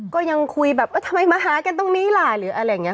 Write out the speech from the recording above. ก็ยังคุยแบบเออทำไมมาหากันตรงนี้ล่ะหรืออะไรอย่างนี้